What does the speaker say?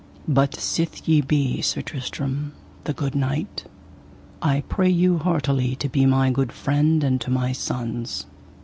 But sith ye be Sir Tristram, the good knight, I pray you heartily to be my good friend and to my sons.